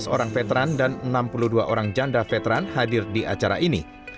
lima belas orang veteran dan enam puluh dua orang janda veteran hadir di acara ini